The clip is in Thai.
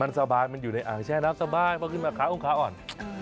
มันสบายมันอยู่ในอ่างแช่น้ำสบายพอขึ้นมาขาองขาอ่อน